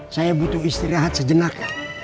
saya butuh istirahat sejenak